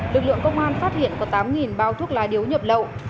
lực lượng công an phát hiện có tám bao thuốc lá điếu nhập lậu